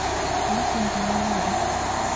まさにパワーワード